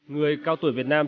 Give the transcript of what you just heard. người cao tuổi việt nam